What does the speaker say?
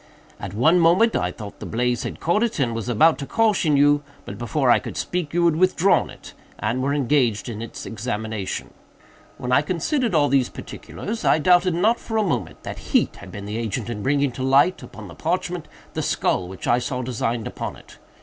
At one moment I thought the blaze had caught it, and was about to caution you, but, before I could speak, you had withdrawn it, and were engaged in its examination. When I considered all these particulars, I doubted not for a moment that heat had been the agent in bringing to light, upon the parchment, the skull which I saw designed upon it.